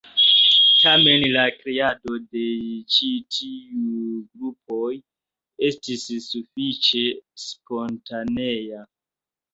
Tamen, la kreado de ĉi tiuj grupoj estis sufiĉe spontanea.